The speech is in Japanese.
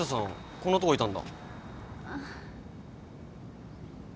こんなとこいたんだ。